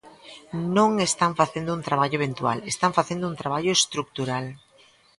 Non están facendo un traballo eventual, están facendo un traballo estrutural.